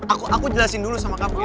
aku aku jelasin dulu sama kamu